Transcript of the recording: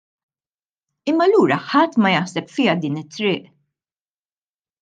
Imma allura ħadd ma jaħseb fiha din it-triq?